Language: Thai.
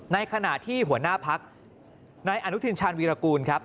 ในขณะที่หัวหน้าพักนายอนุทินชาญวีรกูลครับ